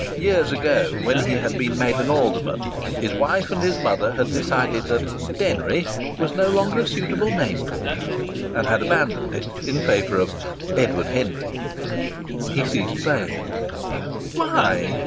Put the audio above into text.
Years ago, when he had been made an alderman, his wife and his mother had decided that "Denry" was no longer a suitable name for him, and had abandoned it in favour of "Edward Henry." He ceased playing. "Why?"